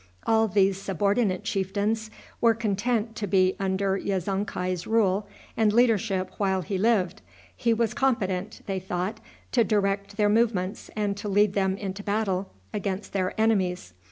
All these subordinate chieftains were content to be under Yezonkai's rule and leadership while he lived. He was competent, they thought, to direct their movements and to lead them into battle against their enemies.